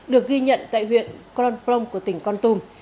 được ghi nhận tại huyện con plong của tỉnh con tum